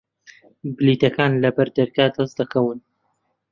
بلیتەکان لە بەردەرگا دەست دەکەون.